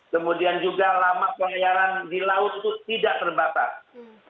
kemudian juga lama pelayaran di laut itu tidak terbatas